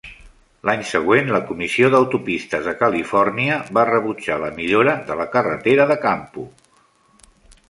L'any següent, la Comissió d'Autopistes de Califòrnia va rebutjar la millora de la carretera de Campo.